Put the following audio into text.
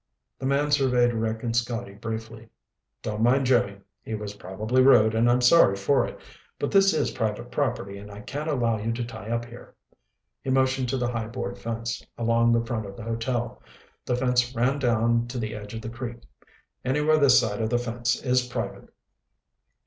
The man surveyed Rick and Scotty briefly. "Don't mind Jimmy. He was probably rude, and I'm sorry for it. But this is private property and I can't allow you to tie up here." He motioned to the high board fence along the front of the hotel. The fence ran down to the edge of the creek. "Anywhere this side of the fence is private."